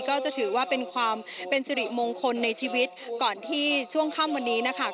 ก็จะถือว่าเป็นความเป็นสิริมงคลในชีวิตก่อนที่ช่วงค่ำวันนี้นะคะ